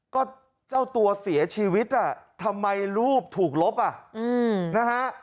ก็เจ้าตัวเสียชีวิตทำไมรูปถูกลบอ่ะนะฮะ